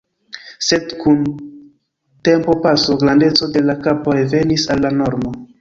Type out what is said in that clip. Sed kun tempopaso grandeco de la kapo revenis al la normo.